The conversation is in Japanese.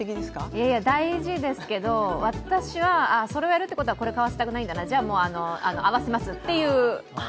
いやいや、大事ですけど私は、それをやるってことはこれ買わせたくないんだなじゃあ合わせますっていう。